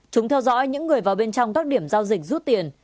chúng theo dõi những người vào bên trong các điểm giao dịch rút tiền